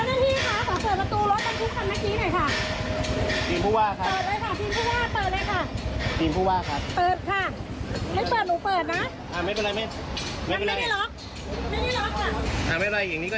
เค้ากำลังจะเทดินขายไว้ค่ะเค้ากำลังจะเทดภูมิเลยค่ะ